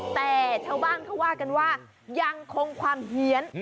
แต่ชาวบ้านเขาว่ากันว่ายังคงความเหี้ยน